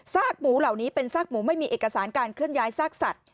หมูเหล่านี้เป็นซากหมูไม่มีเอกสารการเคลื่อนย้ายซากสัตว์